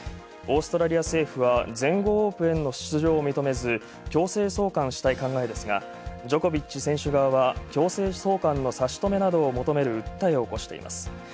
オーストラリア政府は、全豪オープンへの出場を認めず強制送還したい考えですが、ジョコビッチ選手側は、強制送還の差し止めなどを求める訴えを起こしています。